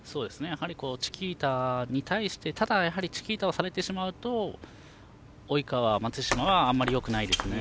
チキータに対してただ、チキータをされてしまうと及川、松島はあまりよくないですね。